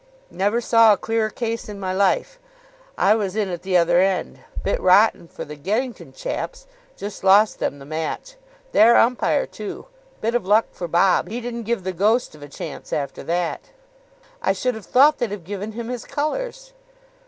Never saw a clearer case in my life. I was in at the other end. Bit rotten for the Geddington chaps. Just lost them the match. Their umpire, too. Bit of luck for Bob. He didn't give the ghost of a chance after that." "I should have thought they'd have given him his colours."